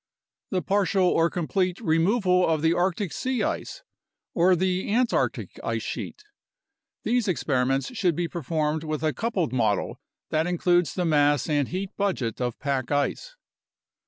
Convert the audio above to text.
The partial or complete removal of the Arctic sea ice or the Antarctic ice sheet. These experiments should be performed with a coupled model that includes the mass and heat budget of pack ice.